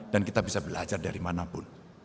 dan kita bisa belajar dari mana pun